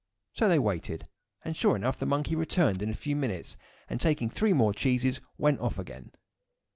So they waited, and sure enough the monkey returned in a few minutes, and taking three more cheeses went off again.